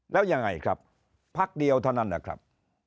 แล้วยังไงครับพักเดียวเท่านั้นนะครับ